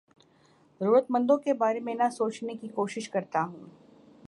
ضرورت مندوں کے بارے میں نہ سوچنے کی کوشش کرتا ہوں